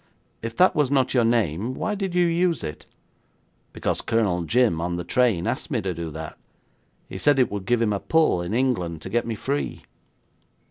'If that was not your name, why did you use it?' 'Because Colonel Jim, on the train, asked me to do that. He said it would give him a pull in England to get me free.'